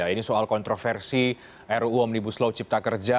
ini soal kontroversi ruu omnibus law cipta kerja